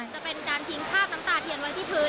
จะเป็นการทิ้งภาพน้ำตาเทียนไว้ที่พื้น